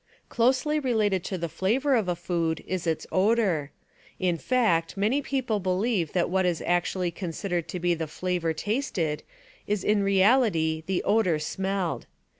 Closely related to the flavor of a food is its odor. In fact, many people believe that what is usually considered to be the flavor tasted is in realty the odor smelled.